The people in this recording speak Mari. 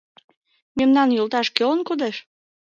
Мемнан йолташ кӧлан кодеш?